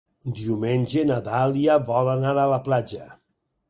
Diumenge na Dàlia vol anar a la platja.